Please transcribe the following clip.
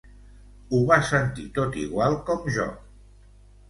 Ho va sentir tot igual com jo.